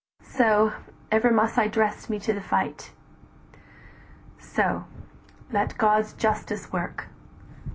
So, ever must I dress me to the fight, "So: let God's justice work!